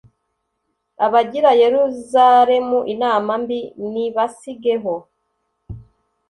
Abagira Yeruzalemu inama mbi nibasigeho!